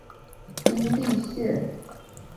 殷栗线